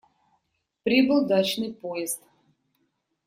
Прибыл дачный поезд.